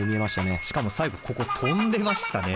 しかも最後ここ跳んでましたね。